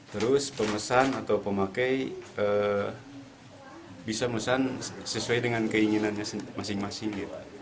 terus pemesan atau pemakai bisa memesan sesuai dengan keinginannya masing masing